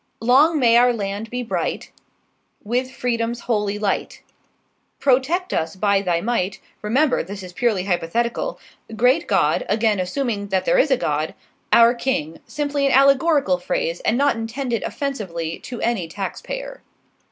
Long may our land be bright, With freedom's holy light; Protect us by Thy might remember, this is purely hypothetical Great God again assuming that there is a God our king simply an allegorical phrase and not intended offensively to any taxpayer."